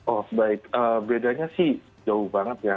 oh baik bedanya sih jauh banget ya